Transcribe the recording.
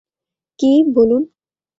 কী, বলুন।